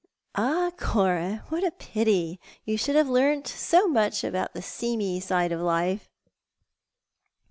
" Ah, Cora, what a pity you should have learnt so much about the seamy side of life